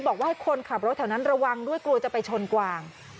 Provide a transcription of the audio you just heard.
บอกว่าให้คนขับรถแถวนั้นระวังด้วยกลัวจะไปชนกวาง